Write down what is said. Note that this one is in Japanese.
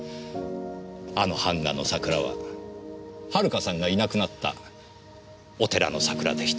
あの版画の桜は遥さんがいなくなったお寺の桜でした。